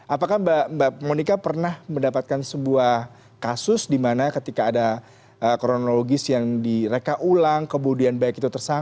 apakah mbak monika pernah mendapatkan adegan yang seperti itu